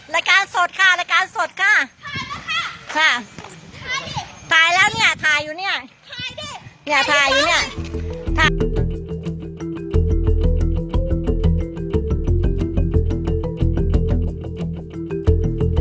รายการสดค่ะรายการสดค่ะถ่ายแล้วค่ะค่ะถ่ายแล้วเนี้ย